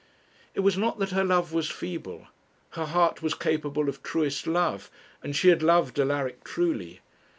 It was not that her love was feeble. Her heart was capable of truest love, and she had loved Alaric truly.